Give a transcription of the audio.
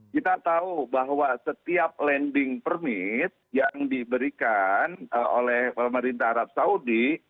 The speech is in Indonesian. kita tahu bahwa setiap landing permit yang diberikan oleh pemerintah arab saudi